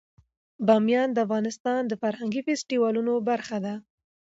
بامیان د افغانستان د فرهنګي فستیوالونو برخه ده.